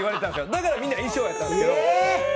だからみんな衣装だったんですけども。